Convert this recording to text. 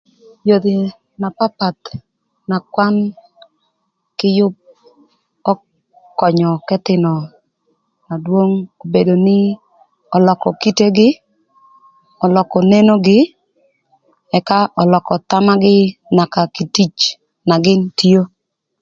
Yodhi na papath na kwan kï yüb ökönyö k' ëthïnö na dwong obedo nï ölökö kitegï ölökö nenogï ëka ölökö thamagï naka kï tic na gïn tio.